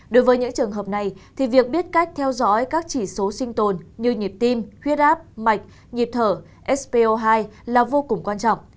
đối với những trường hợp này thì việc biết cách theo dõi các chỉ số sinh tồn như nhịp tim huyết áp mạch nhịp thở spo hai là vô cùng quan trọng